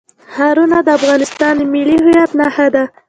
ښارونه د افغانستان د ملي هویت نښه ده.